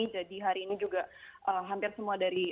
jadi hari ini juga hampir semua dari